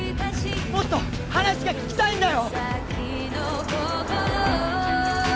もっと話が聞きたいんだよ